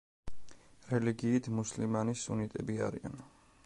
რელიგიით მუსლიმანი სუნიტები არიან.